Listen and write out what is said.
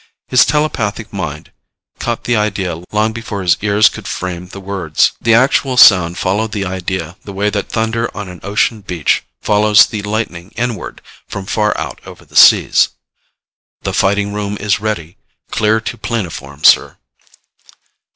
His telepathic mind caught the idea long before his ears could frame the words. The actual sound followed the idea the way that thunder on an ocean beach follows the lightning inward from far out over the seas. "The Fighting Room is ready. Clear to planoform, sir."